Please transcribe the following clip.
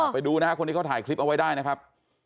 ไปดูนะครับคนที่เขาถ่ายคลิปเอาไว้ได้นะครับ